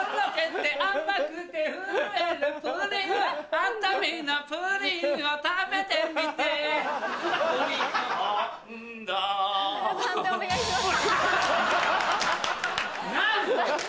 判定お願いします。